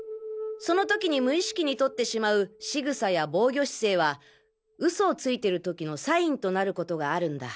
その時に無意識に取ってしまう仕草や防御姿勢は嘘をついている時のサインとなることがあるんだ。